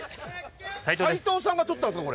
齋藤さんが撮ったんですか？